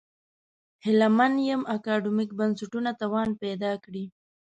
هیله من یم اکاډمیک بنسټونه توان پیدا کړي.